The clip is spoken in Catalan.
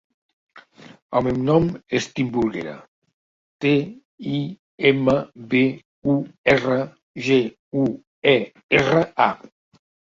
El meu nom és Timburguera: te, i, ema, be, u, erra, ge, u, e, erra, a.